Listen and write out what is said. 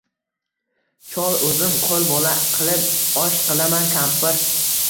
Chol o’zim qo’l bola qilib osh qilaman kampir.